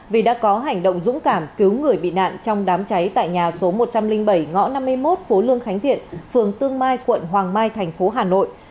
vì đã có hành động dũng cảm cứu người bị nạn trong đám cháy tại nhà số một trăm linh bảy ngõ năm mươi một phố lương khánh thiện phường tương mai quận hoàng mai thành phố hà nội